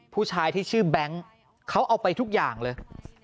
ผู้ชายที่ชื่อแบงค์เขาเอาไปทุกอย่างเลย